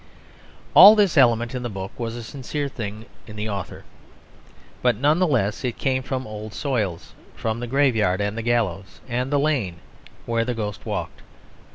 All this element in the book was a sincere thing in the author, but none the less it came from old soils, from the graveyard and the gallows, and the lane where the ghost walked.